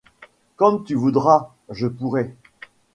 Comme tu voudras, je pourrai.